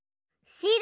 しろ。